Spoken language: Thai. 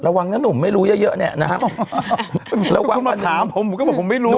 ระวังนะหนุ่มไม่รู้เยอะเนี่ยนะฮะคุณมาถามผมก็บอกผมไม่รู้